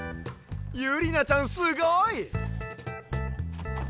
ゆりなちゃんすごい！